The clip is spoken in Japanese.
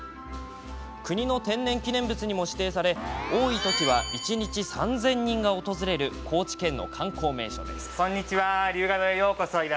国の天然記念物にも指定され多い時は一日３０００人が訪れる高知県の観光名所です。